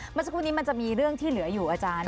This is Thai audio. เมื่อสักครู่นี้มันจะมีเรื่องที่เหลืออยู่อาจารย์